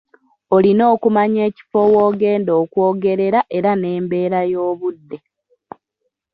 Olina okumanya ekifo w'ogenda okwogerera era n'embeera y'obudde.